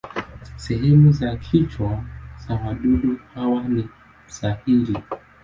Sehemu za kinywa za wadudu hawa ni sahili.